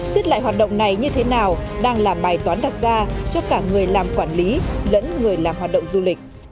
xiết lại hoạt động này như thế nào đang là bài toán đặt ra cho cả người làm quản lý lẫn người làm hoạt động du lịch